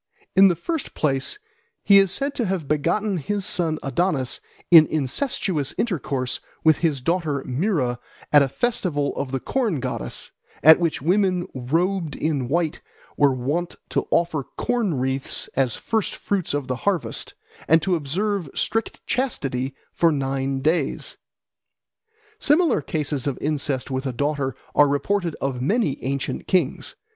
In the first place, he is said to have begotten his son Adonis in incestuous intercourse with his daughter Myrrha at a festival of the corn goddess, at which women robed in white were wont to offer corn wreaths as first fruits of the harvest and to observe strict chastity for nine days. Similar cases of incest with a daughter are reported of many ancient kings.